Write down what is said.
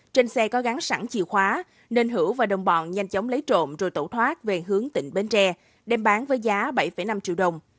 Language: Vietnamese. trên xe có gắn sẵn chìa khóa nên hữu và đồng bọn nhanh chóng lấy trộm rồi tẩu thoát về hướng tỉnh bến tre đem bán với giá bảy năm triệu đồng